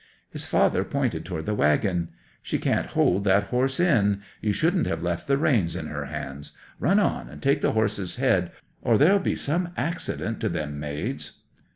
'His father pointed toward the waggon. "She can't hold that horse in. You shouldn't have left the reins in her hands. Run on and take the horse's head, or there'll be some accident to them maids!"